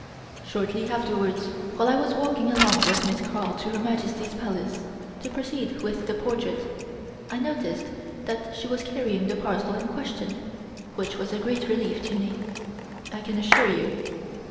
Shortly afterwards, while I was walking along with Miss Carl to Her Majesty's Palace, to proceed with the portrait, I noticed that she was carrying the parcel in question, which was a great relief to me, I can assure you.